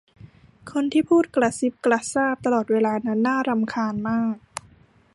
คนที่พูดกระซิบกระซาบตลอดเวลานั้นน่ารำคาญมาก